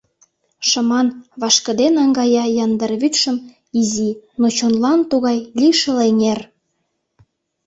Шыман, вашкыде наҥгая яндар вӱдшым Изи, но чонлан тугай лишыл эҥер.